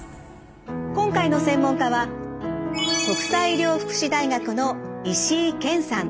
今回の専門家は国際医療福祉大学の石井賢さん。